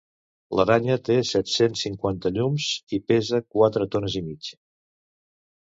L'aranya té set-cents cinquanta llums i pesa quatre tones i mig.